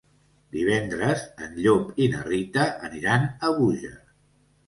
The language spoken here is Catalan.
Divendres en Llop i na Rita aniran a Búger.